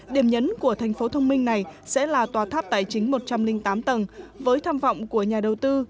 điểm nhấn của thành phố thông minh này sẽ là tòa tháp tài chính một trăm linh tám tầng với tham vọng của nhà đầu tư